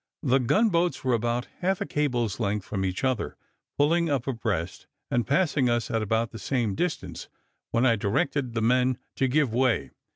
The gun boats were about half a cable's length from each other, pulling up abreast, and passing us at about the same distance, when I directed the men to give way.